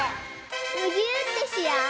むぎゅーってしよう！